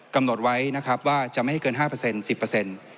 กำหนดไว้นะครับว่าจะไม่ให้เกินห้าเปอร์เซ็น๑๐เปอร์เซ็นต์